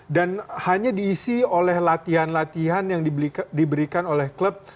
dan hanya diisi oleh latihan latihan yang diberikan oleh klub